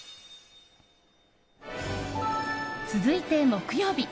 続いて木曜日。